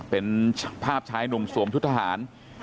เป็นภาพชายหนุ่มสวมชุดทหาร